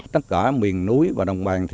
tất cả miền núi và đồng bằng